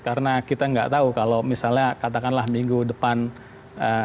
karena kita nggak tahu kalau misalnya katakanlah minggu depan ee